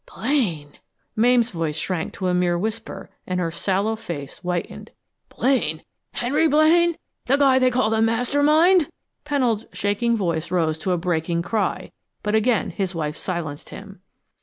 "Blaine!" Mame's voice shrank to a mere whisper, and her sallow face whitened. "Blaine! Henry Blaine? The guy they call the Master Mind?" Pennold's shaking voice rose to a breaking cry, but again his wife silenced him.